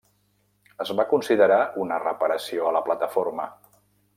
Es va considerar una reparació a la plataforma.